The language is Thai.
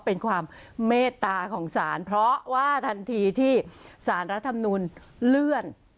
เป็นความเมตตาของศาลเพราะว่าทันทีที่สารรัฐมนุนเลื่อน